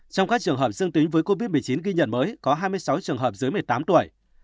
trong các trường hợp dương tính với covid một mươi chín ghi nhận mới có hai mươi sáu trường hợp dưới một mươi tám tuổi